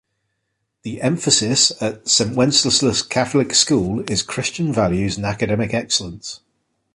The emphasis at Saint Wenceslaus Catholic School is Christian Values and Academic Excellence.